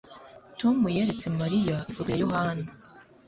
Tom yeretse Mariya ifoto ya Yohana